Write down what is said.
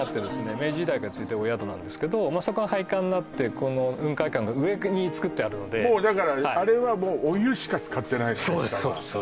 明治時代から続いてるお宿なんですけどそこが廃館になってこの雲海閣が上に作ってあるのでもうだからあれはもうお湯しか使ってないのね下はそうです